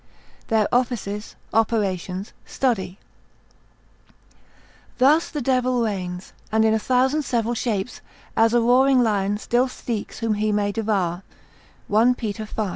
Their Offices, Operations, Study.] Thus the devil reigns, and in a thousand several shapes, as a roaring lion still seeks whom he may devour, 1 Pet. v.